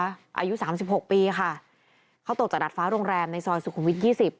อายุ๓๖ปีค่ะเขาตกจากดัดฟ้าโรงแรมในซอยสุขุมวิทยี่สิบ